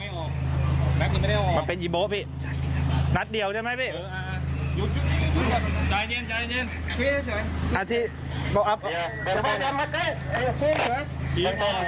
เพราะว่าเขาเป็นญาติตัวเหลวเป็นพวกดี